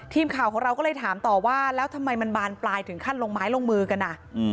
ทีมข่าวของเราก็เลยถามต่อว่าแล้วทำไมมันบานปลายถึงขั้นลงไม้ลงมือกันอ่ะ